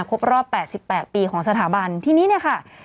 ครบรอบ๘๘ปีของสถาบันทีนี้เนี่ยค่ะ